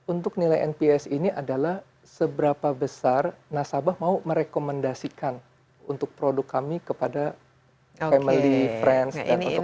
untuk nilai nps ini adalah seberapa besar nasabah mau merekomendasikan untuk produk kami kepada family friends